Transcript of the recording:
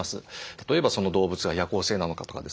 例えばその動物が夜行性なのかとかですね